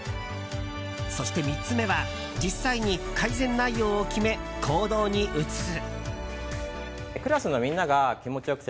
そして３つ目は実際に改善内容を決め行動に移す。